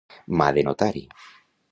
Mà de notari.